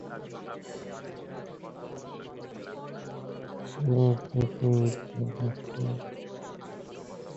মসজিদের ভেতর এর আগে কখনো রাত্রি যাপন করি নি।